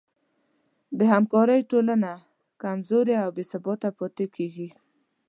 بېهمکارۍ ټولنه کمزورې او بېثباته پاتې کېږي.